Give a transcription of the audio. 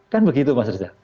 kan begitu mas riza